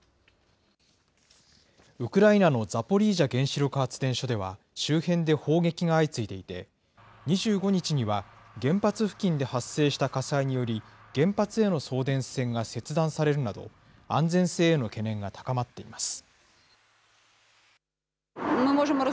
ウクライナのザポリージャ原子力発電所では、周辺で砲撃が相次いでいて、２５日には、原発付近で発生した火災により、原発への送電線が切断されるなど、安全性への懸念が高まっています。